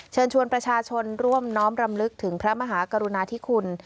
เชิญชวนประชาชนร่วมน้อมรำลึกถึงพระมหากรุณาธิคุณ